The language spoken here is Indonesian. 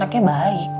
sebenernya anaknya baik